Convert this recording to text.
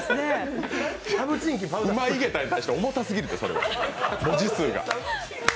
うまいげたからしたら、重すぎるって、文字数が。